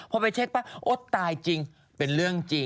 พอไปเช็คป่ะอดตายจริงเป็นเรื่องจริง